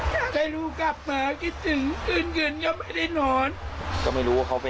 อยากให้ลูกกลับมาคิดถึงคืนเงินก็ไม่ได้นอนก็ไม่รู้ว่าเขาเป็น